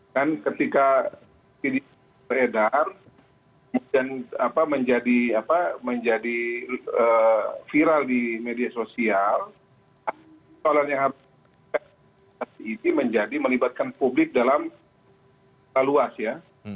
dan ketika idi beredar dan menjadi viral di media sosial soalnya idi menjadi melibatkan publik dalam laluas ya